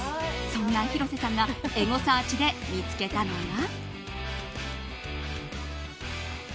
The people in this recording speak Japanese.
そんな広瀬さんがエゴサーチで見つけたのは。